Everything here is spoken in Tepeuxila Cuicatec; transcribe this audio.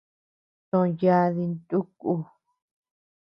Too yadi ntu ku.